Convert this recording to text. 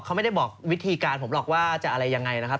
เขาไม่ได้บอกวิธีการผมหรอกว่าจะอะไรยังไงนะครับ